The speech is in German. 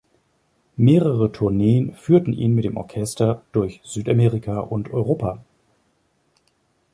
Mehrere Tourneen führten ihn mit dem Orchester durch Südamerika und Europa.